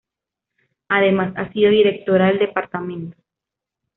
Además ha sido Directora del Dpto.